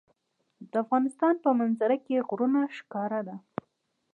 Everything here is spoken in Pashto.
د افغانستان په منظره کې غرونه ښکاره ده.